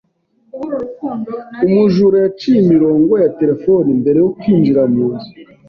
Umujura yaciye imirongo ya terefone mbere yo kwinjira mu nzu.